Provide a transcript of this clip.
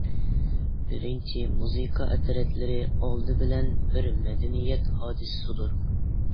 بىرىنچى، مۇزىكا ئەترەتلىرى ئالدى بىلەن بىر مەدەنىيەت ھادىسىسىدۇر.